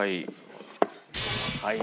はい。